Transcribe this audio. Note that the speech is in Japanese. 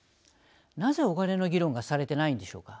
なぜお金の議論がされてないんでしょうか。